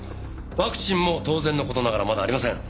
ワクチンも当然の事ながらまだありません。